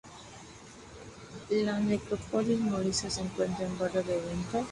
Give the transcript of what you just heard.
La Necrópolis morisca se encuentra en el Barrio de la Venta.